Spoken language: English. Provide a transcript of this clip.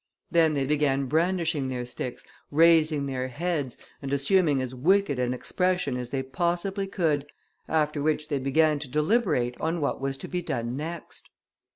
Then they began brandishing their sticks, raising their heads, and assuming as wicked an expression as they possibly could, after which they began to deliberate on what was to be done next.